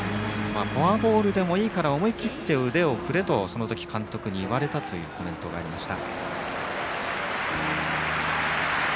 フォアボールでもいいから思い切って腕を振れとその時、監督に言われたというコメントがありました。